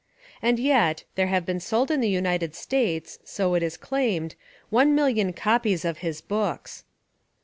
And yet there have been sold in the United States, so it is claimed, one million copies of his books.